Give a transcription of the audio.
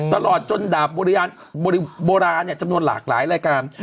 ตลอดจนดาบโบราณจำนวนหลากหลายรายการ